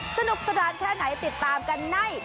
สนุกสนานแค่ไหนติดตามกันใน